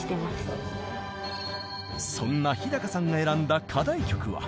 そんな樋さんが選んだ課題曲は。